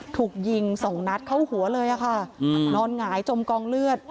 ถูกยิงสองนัดเข้าหัวเลยค่ะนอนหงายจมกองเลือด